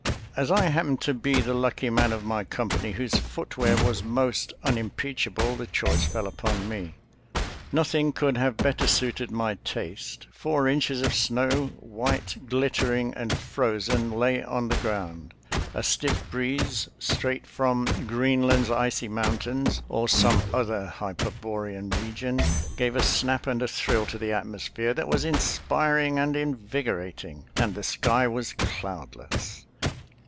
As I happened to be the lucky man of my company whose footwear was most unimpeach able, the choice fell upon me. Nothing could have better suited my taste^ Four inches of snow, white, glittering and frozen, lay on the ground, a stiff breeze, straight " from Green land's icy mountains," or some other hyperborean region, gave a snap and a thrill to the atmos phere that was inspiring and invigorating, and the sky was cloudless.